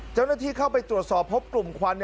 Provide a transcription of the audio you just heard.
เจ้าหน้าที่เข้าไปตรวจสอบพบกลุ่มควัน